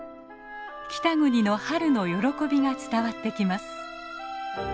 北国の春の喜びが伝わってきます。